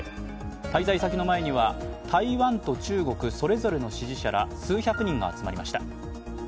滞在先の前には台湾と中国それぞれの支持者ら数百人が集まりました。